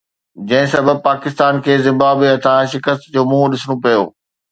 جنهن سبب پاڪستان کي زمبابوي هٿان شڪست جو منهن ڏسڻو پيو.